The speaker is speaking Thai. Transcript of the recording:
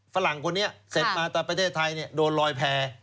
ฝรั่งคนนี้เสร็จมาแต่ประเทศไทยโดนลอยแพร่